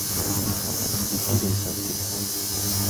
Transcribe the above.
Bi tiro izan ziren.